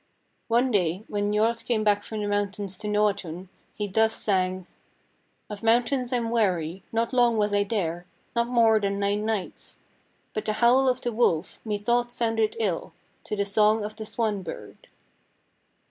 One day, when Njord came back from the mountains to Noatun, he thus sang "'Of mountains I'm weary, Not long was I there, Not more than nine nights; But the howl of the wolf Methought sounded ill To the song of the swan bird.'